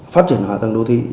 phát triển hạ tầng đô thị